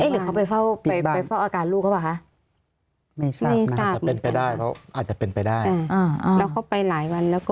เอ๊ะหรือเขาไปเฝ้าปิดบ้านไปเฝ้าอาการลูกเขาเปล่าคะไม่ทราบไม่ทราบ